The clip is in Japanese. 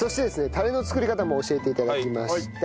タレの作り方も教えて頂きました。